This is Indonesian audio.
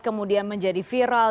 kemudian menjadi viral